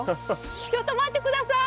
ちょっと待って下さい！